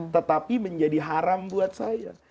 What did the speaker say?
tetapi menjadi haram buat saya